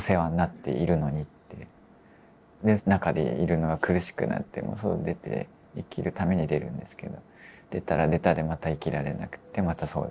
で中でいるのが苦しくなって外に出て生きるために出るんですけど出たら出たでまた生きられなくてまた相談に来て。